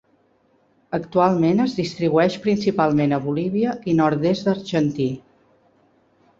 Actualment es distribueix principalment a Bolívia i nord-est argentí.